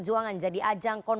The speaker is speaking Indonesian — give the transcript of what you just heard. selamat malam bang ngo